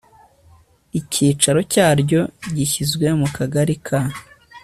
icyicaro cyaryo gishyizwe mu kagari ka